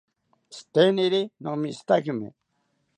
Tziteniriki nomishitakimi